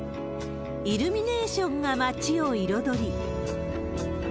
イルミネーションが街を彩り。